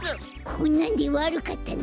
こんなんでわるかったな！